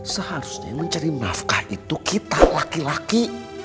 seharusnya mencari nafkah itu kita laki laki